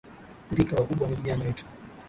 thirika wakubwa ni vijana wetu